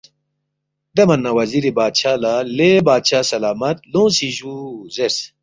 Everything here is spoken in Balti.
دے من نہ وزیری بادشاہ لہ ”لے بادشاہ سلامت لونگسی جُو” زیرس